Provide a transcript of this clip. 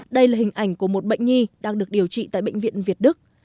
đây là hình ảnh của một bệnh nhi đang được điều trị tại bệnh viện việt đức